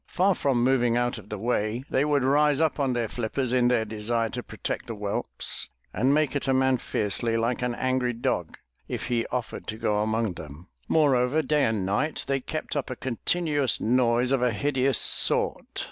Far from moving out Of the way, they would rise up on their flippers in their desire to protect the whelps and make at a man fiercely like an angry dog, if he offered to go among them. Moreover, day and night, they kept up a continuous noise of a hideous sort.